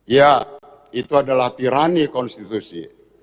ya itu adalah tirani konstitusi